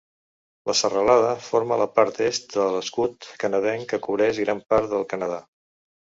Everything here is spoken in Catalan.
La serralada forma la part est de l'escut canadenc que cobreix gran part del Canadà.